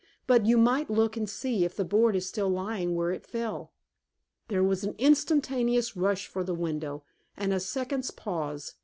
But you might look and see if the board is still lying where it fell." There was an instantaneous rush for the window, and a second's pause.